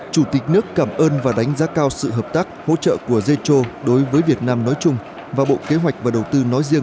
chủ tịch nước cảm ơn và đánh giá cao sự hợp tác hỗ trợ của zetro đối với việt nam nói chung và bộ kế hoạch và đầu tư nói riêng